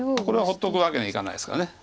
これは放っとくわけにはいかないですから。